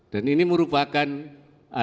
dan ini merupakan asuransi terbesar